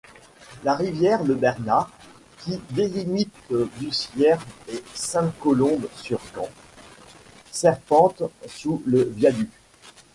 La rivière le Bernand, qui délimite Bussières et Sainte-Colombe-sur-Gand, serpente sous le viaduc.